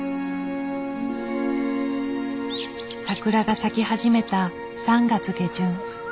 桜が咲き始めた３月下旬。